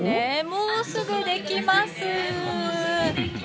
もうすぐできます。